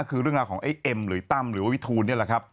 คือเรื่องราวของไอ้เอ็มหรือไอ้ตั้มหรือไอ้วิทูล